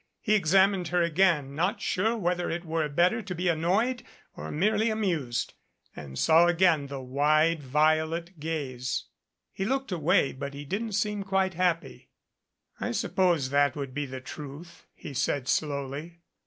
He examined her again, not sure whether it were better to be annoyed or merely amused, and saw again the wide violet gaze. He looked away but he didn't seem quite happy. "I suppose that would be the truth," he said slowly.